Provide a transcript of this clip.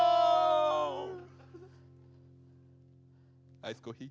アイスコーヒー。